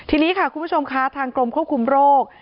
ทีนี้ค่ะคุณผู้ชมคะทางกรมควบคุมโรค